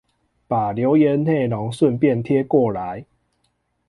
把留言內容順便貼過來